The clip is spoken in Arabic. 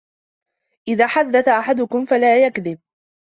إذَا حَدَّثَ أَحَدُكُمْ فَلَا يَكْذِبُ